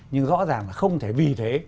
nhưng rõ ràng là không thể vì thế